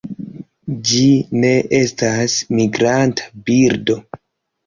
Ĝi ne estas migranta birdo.